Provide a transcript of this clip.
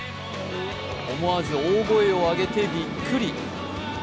思わず大声を上げてびっくり。